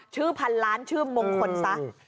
พันล้านชื่อมงคลซะ